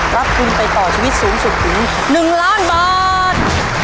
รับทุนไปต่อชีวิตสูงสุดถึง๑ล้านบาท